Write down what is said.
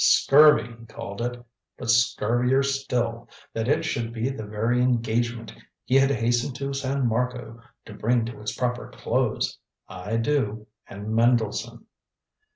Scurvy, he called it. But scurvier still, that it should be the very engagement he had hastened to San Marco to bring to its proper close "I do," and Mendelssohn.